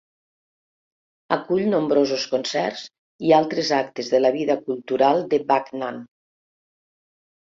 Acull nombrosos concerts i altres actes de la vida cultural de Backnang.